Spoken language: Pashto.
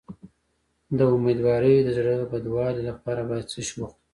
د امیدوارۍ د زړه بدوالي لپاره باید څه شی وخورم؟